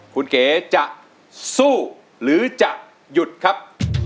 คุณเก๋จะสู้หรือจะหยุดครับ